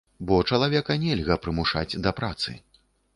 Бо чалавека нельга прымушаць да працы.